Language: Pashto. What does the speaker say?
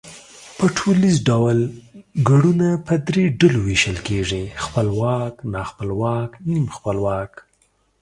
په ټوليز ډول گړونه په درې ډلو وېشل کېږي، خپلواک، ناخپلواک، نیم خپلواک